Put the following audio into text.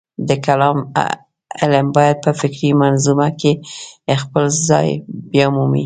د کلام علم باید په فکري منظومه کې خپل ځای بیامومي.